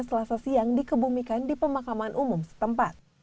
selasa siang dikebumikan di pemakaman umum setempat